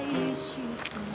うん。